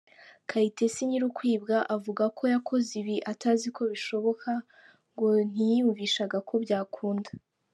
Kayitesi nyirukwibwa avuga ko yakoze ibi ataziko bishoboka, ngo ntiyiyumvishaga ko byakunda.